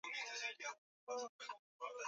walikuwa wako ukanipa mimi na neno lako wamelishika